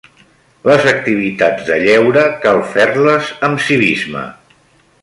Les activitats de lleure cal fer-les amb civisme.